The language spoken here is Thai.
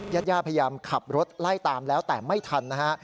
ญาติย่าพยายามขับรถไล่ตามแล้วแต่ไม่ทันนะฮะ